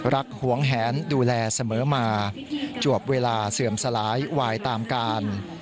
หวงแหนดูแลเสมอมาจวบเวลาเสื่อมสลายวายตามการ